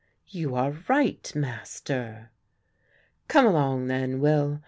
"You are right, Master." "Come along then, Will.